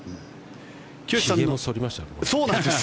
ひげもそりましたね。